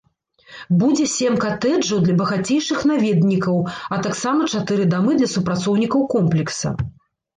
Будзе сем катэджаў для багацейшых наведнікаў, а таксама чатыры дамы для супрацоўнікаў комплекса.